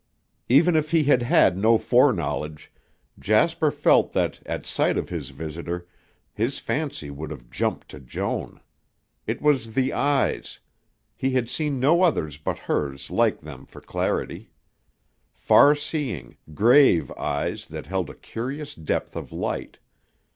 Even if he had had no foreknowledge, Jasper felt that, at sight of his visitor, his fancy would have jumped to Joan. It was the eyes; he had seen no others but hers like them for clarity; far seeing, grave eyes that held a curious depth of light.